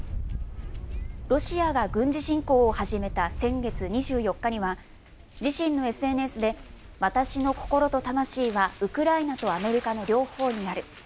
ロシアが軍事侵攻を始めた先月２４日には、自身のＳＮＳで、私の心と魂はウクライナとアメリカの両方にある。